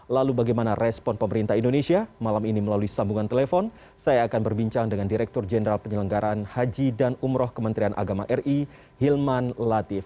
lalu bagaimana respon pemerintah indonesia malam ini melalui sambungan telepon saya akan berbincang dengan direktur jenderal penyelenggaraan haji dan umroh kementerian agama ri hilman latif